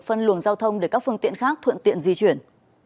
phân luồng giao thông để các phương tiện khác thuận tiện di chuyển